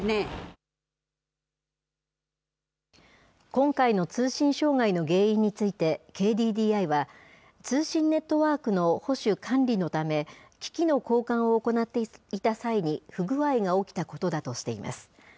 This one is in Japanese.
今回の通信障害の原因について、ＫＤＤＩは、通信ネットワークの保守・管理のため、機器の交換を行っていた際に不具合が起きたことだとしています。